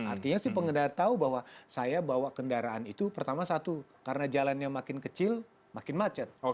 artinya si pengendara tahu bahwa saya bawa kendaraan itu pertama satu karena jalannya makin kecil makin macet